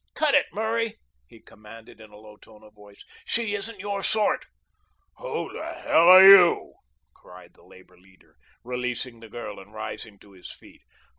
"Cut it, Murray!" he commanded in a low tone of voice. "She isn't your sort." "Who the hell are you?" cried the labor leader, releasing the girl and rising to his feet.